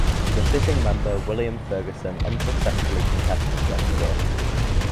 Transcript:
The sitting member William Fergusson unsuccessfully contested Wentworth.